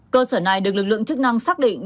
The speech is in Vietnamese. cơ sở này được lực lượng chức năng xác định